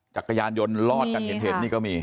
จักรยานยนต์ลอดกันเห็นนี่ก็มี